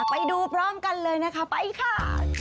ไปดูพร้อมกันเลยนะคะไปค่ะ